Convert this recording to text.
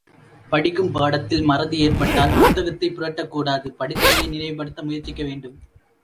படிக்கும் பாடத்தில் மறதி ஏற்பட்டால் புத்தகத்தைப் புரட்டக் கூடாது படித்ததையே நினைவுபடுத்த முயற்சிக்க வேண்டும்.